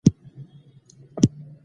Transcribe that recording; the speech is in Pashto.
ملاتړ یې وکړ.